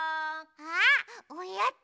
あおやつ！